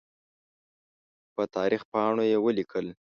په تاریخ پاڼو یې ولیکل.